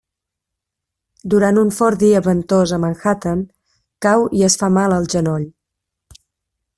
Durant un fort dia ventós a Manhattan, cau i es fa mal al genoll.